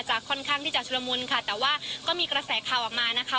ค่อนข้างที่จะชุลมุนค่ะแต่ว่าก็มีกระแสข่าวออกมานะคะ